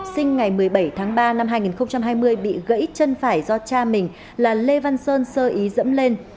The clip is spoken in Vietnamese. sinh ngày một mươi bảy tháng ba năm hai nghìn hai mươi bị gãy chân phải do cha mình là lê văn sơn sơ ý dẫm lên